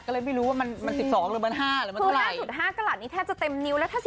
ไม่รู้ว่ามัน๑๒กรัดลงมา๕กรัดหรือเท่าไร